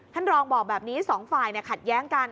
ท่านรองบอกแบบนี้สองฝ่ายขัดแย้งกัน